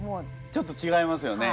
ちょっとちがいますよね。